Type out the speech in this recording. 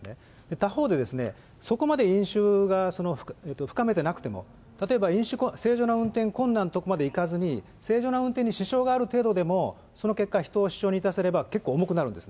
他方で、そこまで飲酒が深めてなくても、例えば正常な運転困難のところまでいかずに、正常な運転に支障がある程度でも、その結果、人を死傷に致せれば結構重くなるんです。